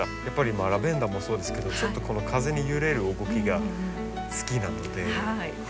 やっぱりラベンダーもそうですけどこの風に揺れる動きが好きなので。